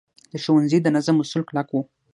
د ښوونځي د نظم اصول کلک وو.